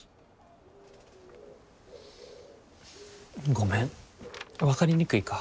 ごめん分かりにくいか。